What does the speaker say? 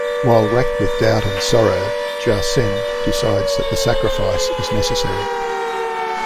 While wracked with doubt and sorrow, Jacen decides that the sacrifice is necessary.